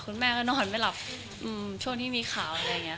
แม่ก็นอนไม่หลับช่วงที่มีข่าวอะไรอย่างนี้ค่ะ